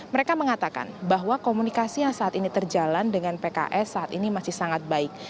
mereka mengatakan bahwa komunikasi yang saat ini terjalan dengan pks saat ini masih sangat baik